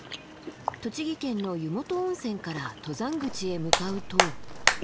栃木県の湯本温泉から登山口へ向かうと。